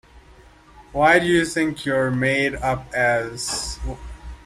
What do you think you're made up as?